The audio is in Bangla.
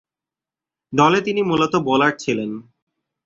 দলে তিনি মূলতঃ বোলার ছিলেন।